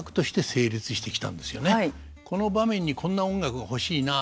この場面にこんな音楽が欲しいなと。